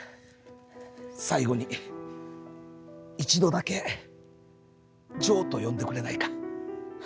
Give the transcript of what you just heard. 最後に一度だけジョーと呼んでくれないか？